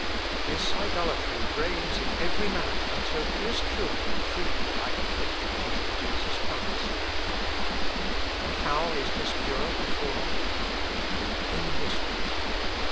"This idolatry reigns in every man until he is cured of it freely by the faith which is in Jesus Christ. "And how is this cure performed? "In this way.